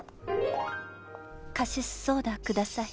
カシスソーダ下さい。